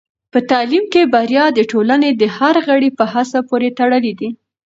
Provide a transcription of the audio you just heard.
په تعلیم کې بریا د ټولنې د هر غړي په هڅه پورې تړلې ده.